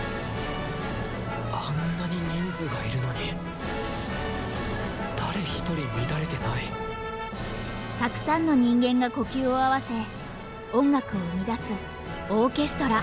あんなに人数がいるのに誰一人乱れてないたくさんの人間が呼吸を合わせ音楽を生み出すオーケストラ。